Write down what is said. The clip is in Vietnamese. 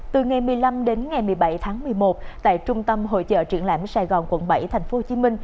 từ ngày một mươi năm đến ngày một mươi bảy tháng một mươi một tại trung tâm hội trợ trưởng lãnh sài gòn quận bảy tp hcm